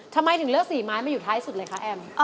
ทำไมถึงเลือก๔ไม้มาอยู่ท้ายสุดเลยคะแอม